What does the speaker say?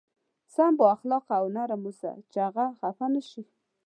سم با اخلاقه او نرم اوسه چې هغه خفه نه شي.